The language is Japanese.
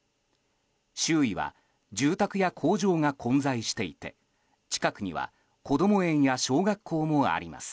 周囲は住宅や工場が混在していて近くにはこども園や小学校もあります。